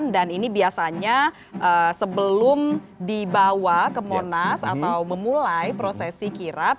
dan ini biasanya sebelum dibawa ke monas atau memulai prosesi kirap